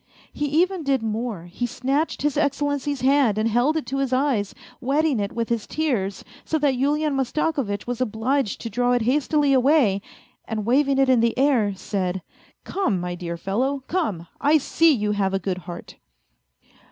He even did more, he snatched His Excellency's hand and held it to his eyes, wetting it with his tears, so that Yulian Mastakovitch was obliged to draw it hastily aw r ay, and waving it in the air, said, " Come, my dear fellow, come ! I see you have a good heart."